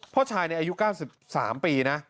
พ่อชายในอายุ๙๓ปีนะ